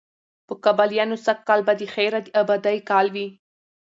په کابليانو سږ کال به د خیره د آبادۍ کال وي،